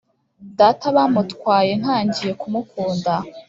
data bamutwaye ntangiye kumukunda